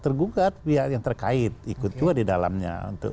oke oke oke ya kita berhasil pandang ya baiklah terima kasih terima kasih terima kasih